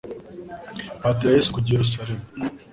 bahatira Yesu kujya i Yerusalemu.